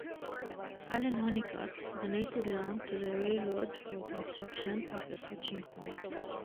Allen Honeycutt donated land to the railroad for construction of a switching point.